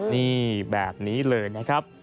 นี่แบบนี้เลยนะครับ